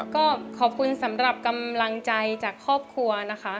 ก็ขอบคุณสำหรับกำลังใจจากครอบครัวนะคะ